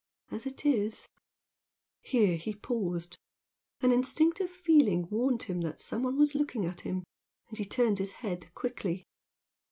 As it is " Here he paused, an instinctive feeling warned him that some one was looking at him, and he turned his head quickly.